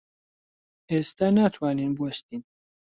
ئێستا ناتوانین بوەستین.